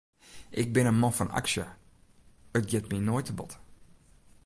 Ik bin in man fan aksje, it giet my noait te bot.